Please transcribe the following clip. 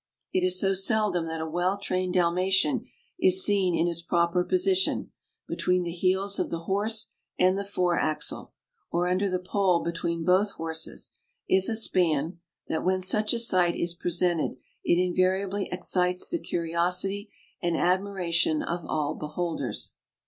It is so sel dom that a well trained Dalmatian is seen in his proper position, between the heels of the horse and the fore axle, or under the pole between both horses — if a span — that when such a sight is presented it invariably excites the curiosity and admiration of all beholders.